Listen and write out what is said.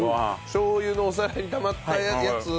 しょう油のお皿にたまったやつを。